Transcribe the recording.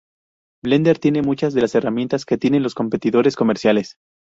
Blender tiene muchas de las herramientas que tienen los competidores comerciales.